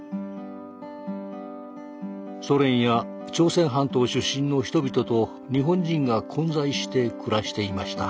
ソ連や朝鮮半島出身の人々と日本人が混在して暮らしていました。